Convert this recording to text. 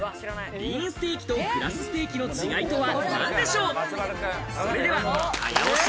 リーンステーキとグラスステーキの違いとは？